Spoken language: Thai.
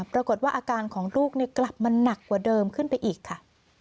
ปรากฏว่าอาการของลูกกลับมาหนักกว่าเดิมขึ้นไปอีกค่ะ